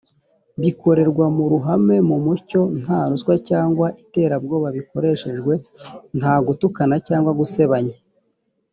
bikorerwa mu ruhame, mu mucyo, nta ruswa cyangwa iterabwoba bikoreshejwe, nta gutukana cyangwa gusebanya